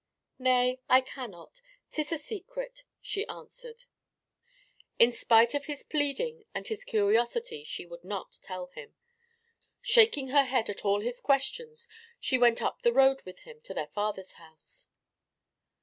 "Nay, I cannot. 'Tis a secret," she answered. In spite of his pleading and his curiosity she would not tell him. Shaking her head at all his questions she went up the road with him to their father's house.